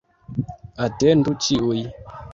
Atendu ĉiuj